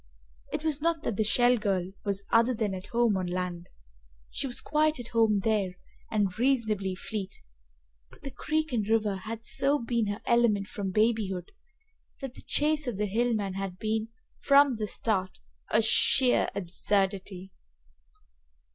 It was not that the Shell girl was other than at home on land. She was quite at home there and reasonably fleet, but the creek and river had so been her element from babyhood that the chase of the hill man had been, from the start, a sheer absurdity.